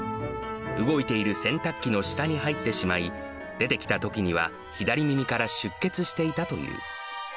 動いている洗濯機の下に入ってしまい、出てきたときには、左耳から出血していたという。